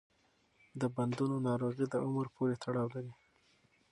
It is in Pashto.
د بندونو ناروغي د عمر پورې تړاو لري.